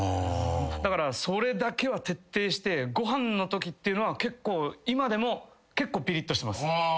だからそれだけは徹底してご飯のときっていうのは結構今でもピリッとしてます。